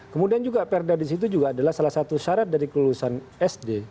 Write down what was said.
kemudian juga perda di situ juga adalah salah satu syarat dari kelulusan sd